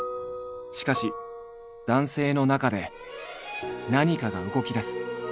しかし男性の中で何かが動きだす。